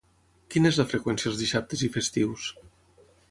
Quina és la freqüència els dissabtes i festius?